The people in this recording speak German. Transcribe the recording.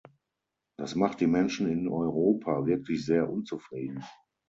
Das macht die Menschen in Europa wirklich sehr unzufrieden.